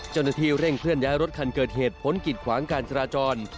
เจ้าหน้าที่เร่งเคลื่อนย้ายรถคันเกิดเหตุพ้นกิดขวางการจราจร